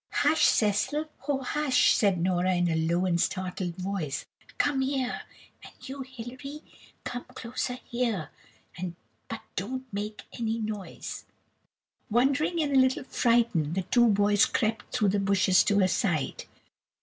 "Hush, Cecil, oh, hush!" said Nora in a low and startled voice; "come here, and you, Hilary, come close here, but don't make any noise." Wondering, and a little frightened, the two boys crept through the bushes to her side.